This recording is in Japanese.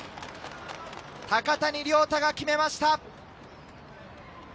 高谷遼太が決めました！